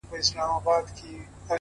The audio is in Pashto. هغه چي ځان زما او ما د ځان بولي عالمه;